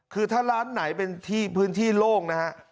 คือถ้าร้านไหนเป็นที่พื้นที่โล่งนะฮะ